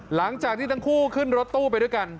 หลังจากที่ทั้งคู่ขึ้นรถตู้ไปด้วยกัน